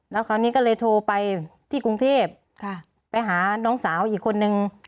แล้วคราวนี้ก็เลยโทรไปที่กรุงเทพไปหาน้องสาวอีกคนนึง